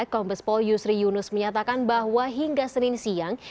kompas pol yusri yunus menyatakan bahwa hingga senin siang